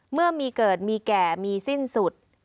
เมื่อมีเกิดมีแก่มีสิ้นสุด